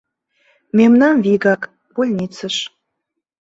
Мемнам вигак — больницыш.